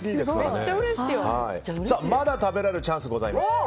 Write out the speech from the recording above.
まだ食べられるチャンスございます。